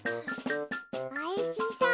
おいしそう。